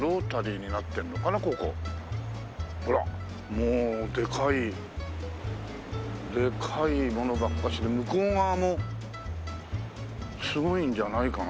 もうでかいでかいものばっかしで向こう側もすごいんじゃないかな？